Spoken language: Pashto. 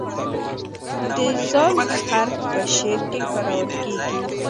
د "ذ" حرف په شعر کې کارول کیږي.